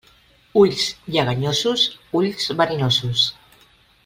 Ulls lleganyosos, ulls verinosos.